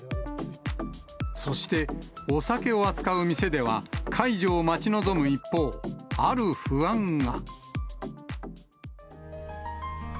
そして、お酒を扱う店では、解除を待ち望む一方、ある不安が。